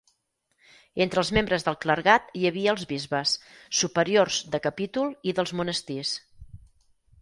Entre els membres del clergat hi havia els bisbes, superiors de capítol i dels monestirs.